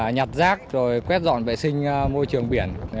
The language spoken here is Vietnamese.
nhặt rác rồi quét dọn vệ sinh môi trường biển